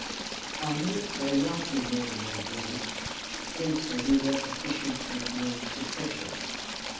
I need say nothing more of my dreams, since the reader sufficiently knows the subject.